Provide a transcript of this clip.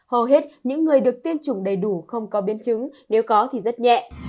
hầu hết những người được tiêm chủng đầy đủ không có biến chứng nếu có thì rất nhẹ